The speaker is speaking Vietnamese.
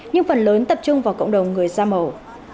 nhưng phần lớn tập trung vào cộng đồng người da màu